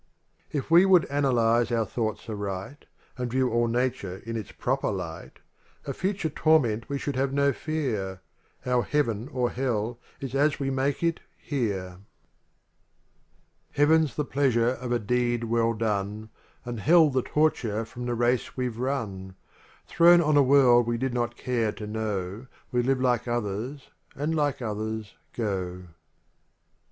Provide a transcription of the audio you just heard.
LXVI If we would analyze our thoughts aright And view all nature in its proper light* Of future torment we should have no fear, Our heaven or hell is as we make it here. 33 — Digged by Google Original from UNIVERSITY OF MICHIGAN 28 UtVIJ Heaven's the pleasure of a deed well done, And hell the torture from the race we've run. Thrown on a world we did not care to know We live like others and like others go.